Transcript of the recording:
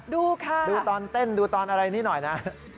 ดูค่ะดูตอนเต้นดูตอนอะไรนิดหน่อยนะ